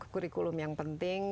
kurikulum yang penting